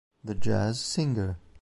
The Jazz Singer